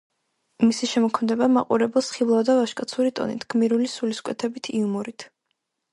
მისი შემოქმედება მაყურებელს ხიბლავდა ვაჟკაცური ტონით, გმირული სულისკვეთებით, იუმორით.